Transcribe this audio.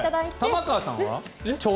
玉川さんは？